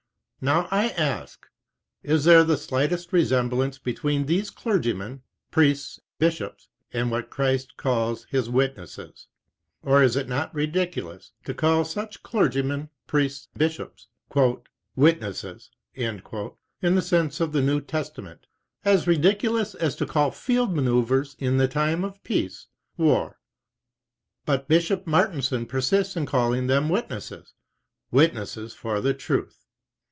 Now I ask: Is there the slightest resemblance between these clergymen, priests, bishops, and what Christ calls his witnesses? Or is it not ridiculous to call such clergymen, priests, bishops, 'witnesses' in the sense of the New Testament — as ridiculous as to call field maneuvres m time of peace, war? "But Bishop Martensen persists in calling them witnesses, witnesses for the Truth.